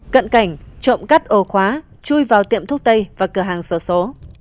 cận cảnh trộm cắt ồ khóa chui vào tiệm thuốc tây và cửa hàng sổ số